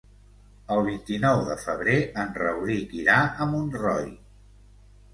El vint-i-nou de febrer en Rauric irà a Montroi.